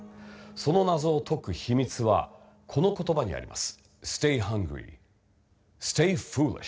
その謎を解く秘密はこの言葉にあります。